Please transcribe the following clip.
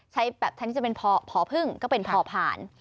แบบแทนที่จะเป็นพอพึ่งก็เป็นพอผ่าน